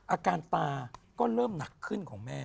อาการตาก็เริ่มหนักขึ้นของแม่